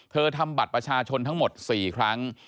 ทำบัตรประชาชนทั้งหมด๔ครั้ง